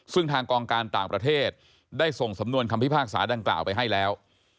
ซึ่งทางกองการต่างประเทศได้ส่งสำนวนคำพิพากษาดังกล่าวไปให้แล้ว